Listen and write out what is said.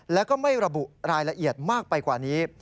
แล้วก็ไม่ระบุรายละเอียดมากไปกว่านี้